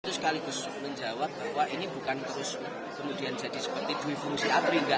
itu sekaligus menjawab bahwa ini bukan terus kemudian jadi seperti dwi fungsi atri enggak